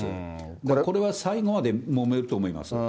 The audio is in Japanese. だからこれは最後までもめると思います。